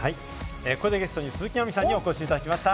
ここで、ゲストの鈴木亜美さんにお越しいただきました。